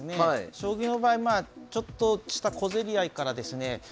将棋の場合ちょっとした小競り合いからですね